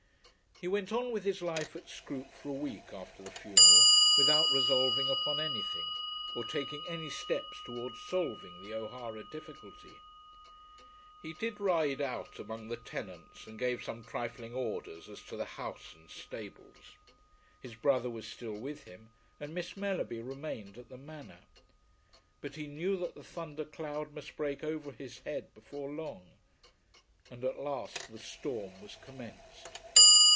He went on with his life at Scroope for a week after the funeral without resolving upon anything, or taking any steps towards solving the O'Hara difficulty. He did ride about among the tenants, and gave some trifling orders as to the house and stables. His brother was still with him, and Miss Mellerby remained at the Manor. But he knew that the thunder cloud must break over his head before long, and at last the storm was commenced.